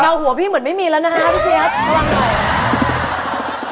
เราหัวพี่เหมือนไม่มีแล้วพี่เชฟระวังหน่อย